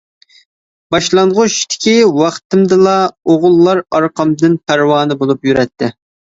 باشلانغۇچتىكى ۋاقتىمدىلا ئوغۇللار ئارقامدىن پەرۋانە بولۇپ يۈرەتتى.